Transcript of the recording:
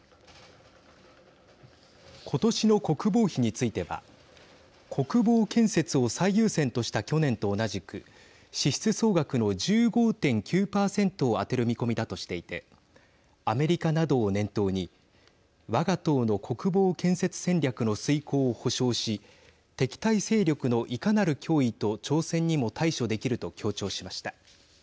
今年の国防費については国防建設を最優先とした去年と同じく支出総額の１５．９％を充てる見込みだとしていてアメリカなどを念頭に我が党の国防建設戦略の遂行を保証し敵対勢力のいかなる脅威と挑戦にも対処できると強調しました。